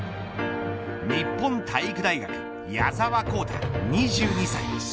日本体育大学矢澤宏太、２２歳。